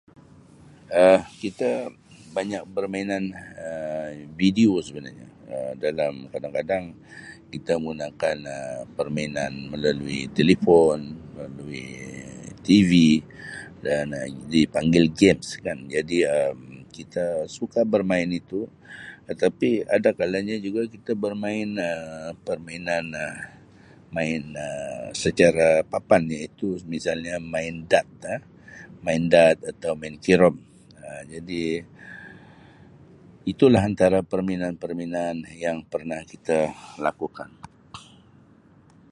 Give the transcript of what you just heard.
Um Kita banyak permainan video sebenarnya Um dalam kadang-kadang kita gunakan Um permainan melalui telefon melalui TV dan Um dipanggil gaps jadi Um kita suka bermain itu tetapi ada kalanya juga kita bermain Um permainan Um main Um secara papan iaitu misalnya main dart Um main dart atau main carrom Um jadi itulah antara perminan-perminan yang pernah kita lakukan.